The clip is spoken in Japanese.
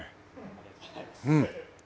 ありがとうございます。